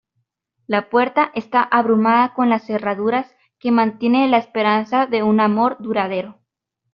La puerta está abrumada con cerraduras que mantienen la esperanza de un amor duradero.